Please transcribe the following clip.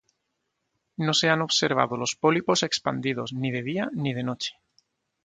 No se han observado los pólipos expandidos, ni de día, ni de noche.